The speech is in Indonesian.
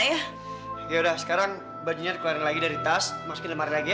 yaudah sekarang bajunya dikeluarin lagi dari tas masukin lemari lagi ya